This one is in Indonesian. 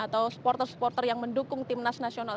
atau supporter supporter yang mendukung tim nasional